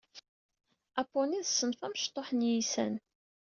Apuni d ṣṣenf amecṭuḥ n yiysan.